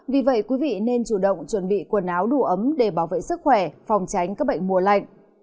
vì vậy quý vị nên chủ động chuẩn bị quần áo đủ ấm để bảo vệ sức khỏe phòng tránh các bệnh mùa lạnh